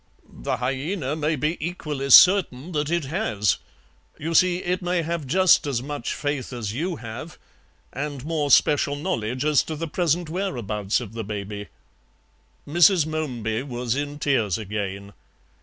"The hyaena may be equally certain that it has. You see, it may have just as much faith as you have, and more special knowledge as to the present whereabouts of the baby." Mrs. Momeby was in tears again.